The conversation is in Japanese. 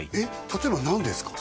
例えば何ですか？